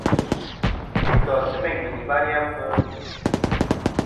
Jesus ti meyn gvì nɨ̀ ibayni a mbvɨ.